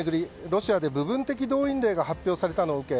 ロシアで部分的動員令が発表されたのを受け